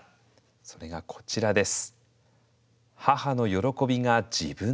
それがこちらです。